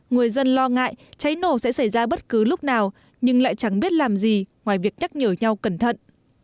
người dân lo ngại cháy nổ sẽ xảy ra bất cứ lúc nào nhưng lại chẳng biết làm gì ngoài việc nhắc nhở nhau cẩn thận